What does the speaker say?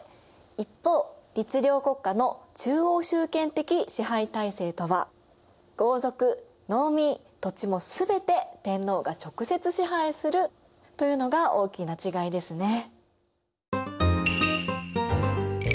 一方律令国家の中央集権的支配体制とは豪族・農民・土地も全て天皇が直接支配するというのが大きな違いですね。